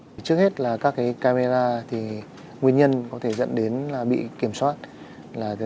trước hết là các camera nguyên nhân có thể dẫn đến bị kiểm soát